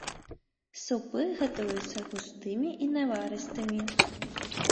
Супы гатуюцца густымі і наварыстымі.